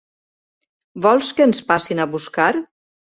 Vols que ens passin a buscar?